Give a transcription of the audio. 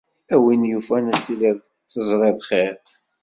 A win yufan ad tiliḍ teẓriḍ xir.